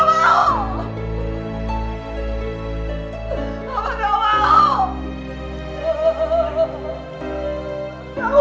mama nggak mau